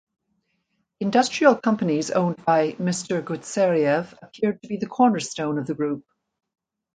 Industrial companies owned by Mister Gutseriev appeared to be the cornerstone of the Group.